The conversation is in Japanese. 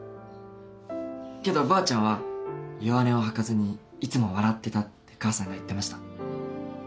けどばあちゃんは弱音を吐かずにいつも笑ってたって母さんが言ってました。